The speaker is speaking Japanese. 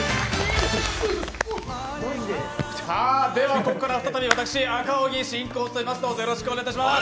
ここから再び私、赤荻進行いたします。